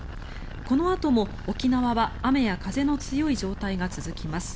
このあとも沖縄は雨や風の強い状態が続きます。